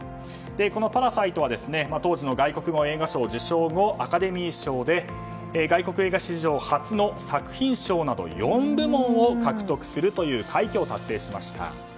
この「パラサイト」は当時の外国語映画賞を受賞後、アカデミー賞で外国映画史上初の作品賞など４部門を獲得するという快挙を達成しました。